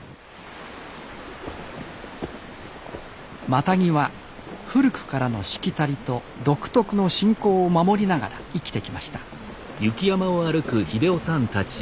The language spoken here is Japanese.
マタギは古くからのしきたりと独特の信仰を守りながら生きてきました